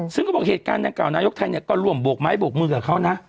ซึ่งเขาก็บอกเหตุการณ์เก่านายกไทยก็ร่วมบวกไม้บวกมือกับเขานะ